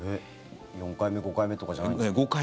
４回目、５回目とかじゃないんですか？